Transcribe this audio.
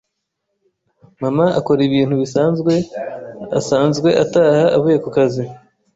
Mama akora ibintu bisanzwe asanzwe ataha avuye kukazi.